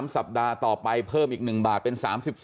สัปดาห์ต่อไปเพิ่มอีก๑บาทเป็น๓๒